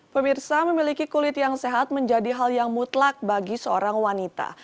pemirsa memiliki kulit yang sehat menjadi hal yang mutlak bagi seorang wanita